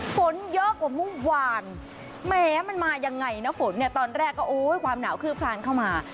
ฝนเยอะกว่าเมื่อวานแหมมันมายังไงนะฝนเนี่ยตอนแรกก็โอ้ยความหนาวคลือบคลานเข้ามา